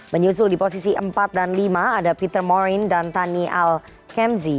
menyusul di posisi empat dan lima ada peter morin dan tani al kemzi